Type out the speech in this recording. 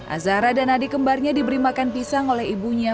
azahra dan adik kembarnya diberi makan pisang oleh ibunya